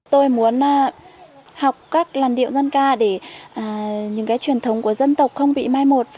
tôi muốn học các làn điệu dân ca để những truyền thống của dân tộc không bị mai mù